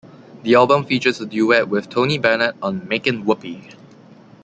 The album features a duet with Tony Bennett on "Makin' Whoopee".